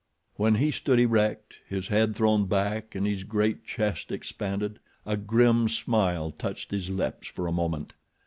When he stood erect, his head thrown back and his great chest expanded a grim smile touched his lips for a moment.